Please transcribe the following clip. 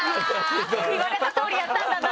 「言われたとおりやったんだな」。